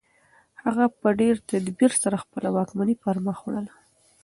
هغه په ډېر تدبیر سره خپله واکمني پرمخ وړله.